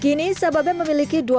kini sababe memiliki tiga perusahaan